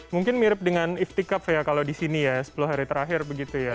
mungkin mirip dengan iftikaf ya kalau di sini ya sepuluh hari terakhir begitu ya